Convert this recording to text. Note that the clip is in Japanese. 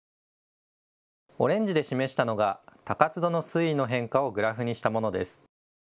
オレンジで示したのが高津戸の水位の変化をグラフにしたものです。